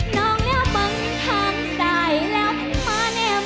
น้องแหล่บฝังแถมใส่แล้วพิกมาเนม